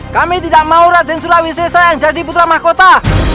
kami tidak mau raden surawi sesa yang jadi putra mahkota